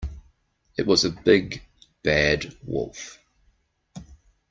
It was a big, bad wolf.